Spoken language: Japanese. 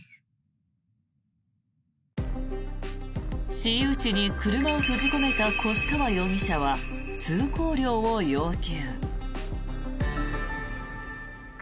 私有地に車を閉じ込めた越川容疑者は通行料を要求。